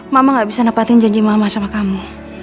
mama gak bisa nepatin janji mama sama kamu